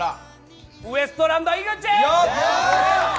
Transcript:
ウエストランド井口！